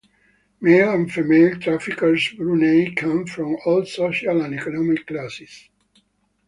Male and female traffickers Brunei come from all social and economic classes.